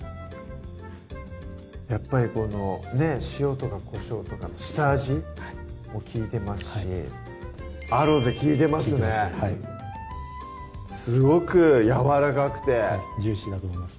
やっぱりこのねっ塩とかこしょうとかの下味も利いてますしアロゼ利いてますねはいすごくやわらかくてジューシーだと思います